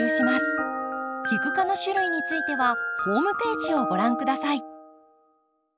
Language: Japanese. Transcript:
キク科の種類についてはホームページをご覧下さい。